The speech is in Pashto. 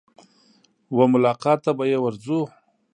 وه ملاقات ته به يې ورځو.